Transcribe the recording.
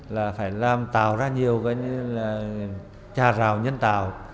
là phải làm tạo ra nhiều cái nhà rào nhân tạo